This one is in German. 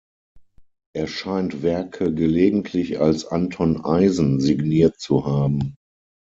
Er scheint Werke gelegentlich als Anton Eisen signiert zu haben.